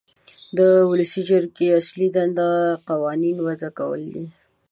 د ولسي جرګې اصلي دنده قوانین وضع کول دي.